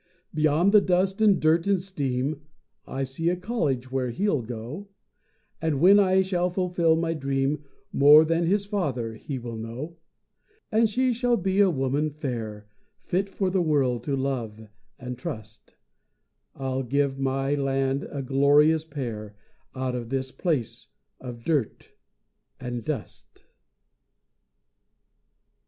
Beyond the dust and dirt and steam I see a college where he'll go; And when I shall fulfill my dream, More than his father he will know; And she shall be a woman fair, Fit for the world to love and trust I'll give my land a glorious pair Out of this place of dirt and dust.